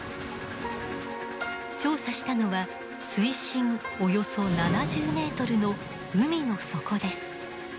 調査したのは水深およそ７０メートルの海の底です。